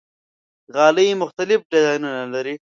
غالۍ مختلف ډیزاینونه لري.